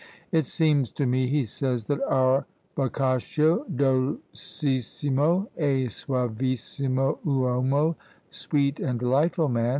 "It seems to me," he says, "that our Boccaccio, dolcissimo e suavissimo uomo, sweet and delightful man!